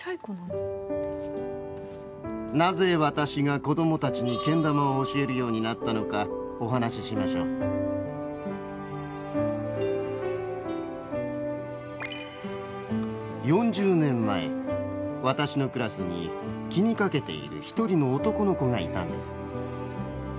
なぜ私が子どもたちにけん玉を教えるようになったのかお話ししましょう４０年前私のクラスに気にかけている一人の男の子がいたんです。